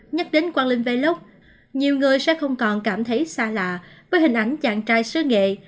nhắc đến quang linh vellog nhiều người sẽ không còn cảm thấy xa lạ với hình ảnh chàng trai xứ nghệ